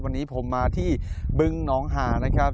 วันนี้ผมมาที่บึงหนองหานะครับ